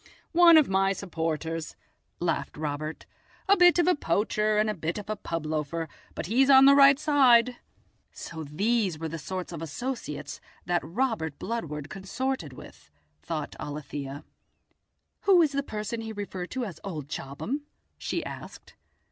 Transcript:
"Oh, one of my supporters," laughed Robert; "a bit of a poacher and a bit of a pub loafer, but he's on the right side." So these were the sort of associates that Robert Bludward consorted with, thought Alethia. "Who is the person he referred to as old Chobham?" she asked.